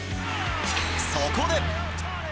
そこで。